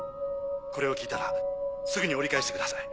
これを聞いたらすぐに折り返してください。